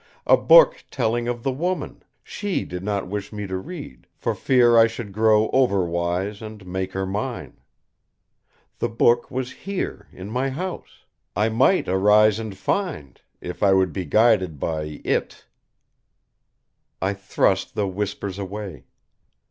A book telling of the woman! She did not wish me to read, for fear I should grow overwise and make her mine. The book was here, in my house. I might arise and find if I would be guided by It ! I thrust the whispers away.